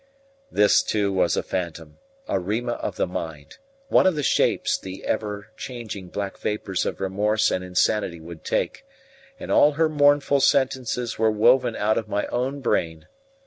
This, too, was a phantom, a Rima of the mind, one of the shapes the ever changing black vapours of remorse and insanity would take; and all her mournful sentences were woven out of my own brain.